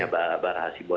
nah pers bestenklah